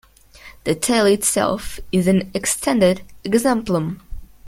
The tale itself is an extended exemplum.